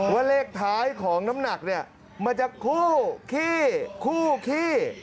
ว่าเลขท้ายของน้ำหนักเนี่ยมันจะคู่ขี้คู่ขี้